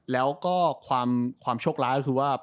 แล้วก็ความโชคร้ายก็คือว่า